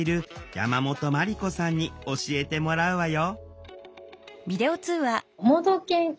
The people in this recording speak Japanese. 山本真理子さんに教えてもらうわよ